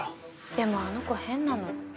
でもあの子変なの。